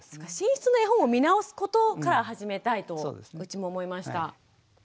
寝室の絵本を見直すことから始めたいとうちも思いました。